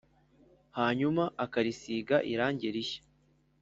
Hanyuma akarisiga irange rishya